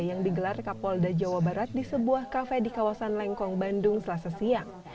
yang digelar kapolda jawa barat di sebuah kafe di kawasan lengkong bandung selasa siang